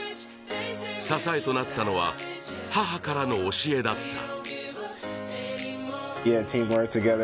支えとなったのは、母からの教えだった。